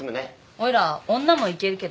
おいら女もいけるけど。